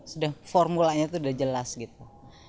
sudah formulanya itu sudah jelas gitu